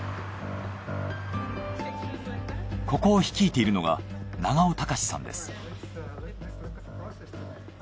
ここを率いているのが長尾隆さんです。